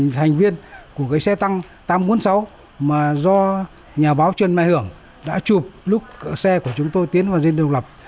thành viên của cái xe tăng tám trăm bốn mươi sáu mà do nhà báo trần mai hưởng đã chụp lúc xe của chúng tôi tiến vào riêng độc lập